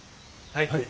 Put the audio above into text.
はい。